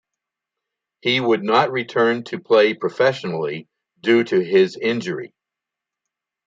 He would not return to play professionally due to his injury.